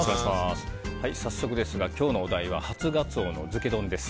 早速ですが、今日のお題は初ガツオの漬け丼です。